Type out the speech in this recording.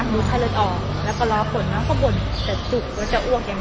บนอยู่อย่างเงี้ยแล้วก็รอขนเครื่องบ่นขนของมานะ